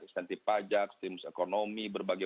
insentif pajak ekonomi berbagai